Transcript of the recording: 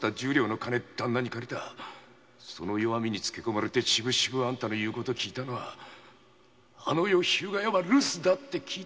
それにつけこまれてあんたの言うことをきいたのはあの夜日向屋は留守だって聞いたからだ